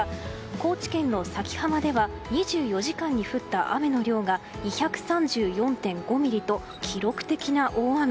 高知県の佐喜浜では２４時間に降った雨の量が２３４．５ミリと記録的な大雨。